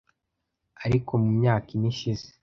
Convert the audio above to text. ariko mu myaka ine ishize